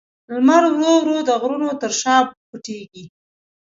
لمر ورو ورو د غرونو تر شا پټېږي.